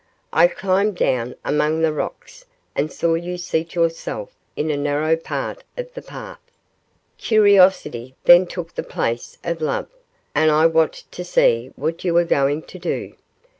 I climbed down among the rocks and saw you seat yourself in a narrow part of the path. Curiosity then took the place of love, and I watched to see what you were going to do.